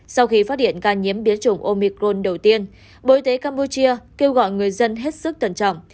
sau khi phát hiện ca nhiễm biến chủng omicron đầu tiên bộ y tế campuchia kêu gọi người dân hết sức cẩn trọng